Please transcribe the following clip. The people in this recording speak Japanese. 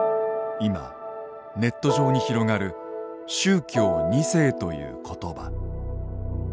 今ネット上に広がる「宗教２世」という言葉。